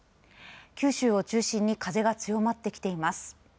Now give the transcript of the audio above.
九州を中心に風が強まってきています。